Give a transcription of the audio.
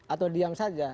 atau diam saja